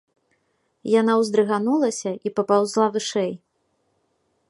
Яна ўздрыганулася і папаўзла вышэй.